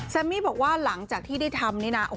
มี่บอกว่าหลังจากที่ได้ทำนี่นะ